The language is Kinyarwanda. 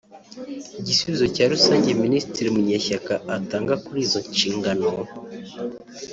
Igisubizo cya rusange Minisitiri Munyeshyaka atanga kuri izo nshingano